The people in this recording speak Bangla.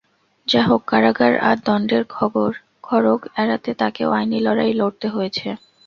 যাহোক কারাগার আর দণ্ডের খড়্গ এড়াতে তাঁকেও আইনি লড়াই লড়তে হয়েছে।